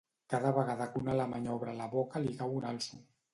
Cada vegada que un alemany obre la boca li cau un Also.